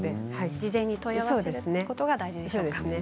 事前に問い合わせることが大事でしょうね。